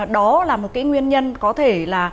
đó là một cái nguyên nhân có thể là